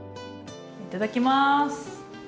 いただきます！